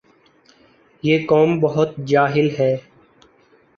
یہ قوم بہت جاہل ھے